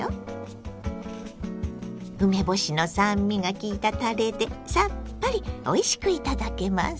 梅干しの酸味がきいたたれでさっぱりおいしくいただけます。